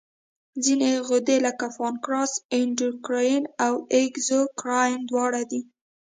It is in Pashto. ځینې غدې لکه پانکراس اندوکراین او اګزوکراین دواړه دي.